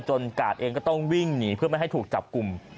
กาดเองก็ต้องวิ่งหนีเพื่อไม่ให้ถูกจับกลุ่ม